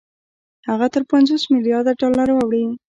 هغه تر پنځوس مليارده ډالرو اوړي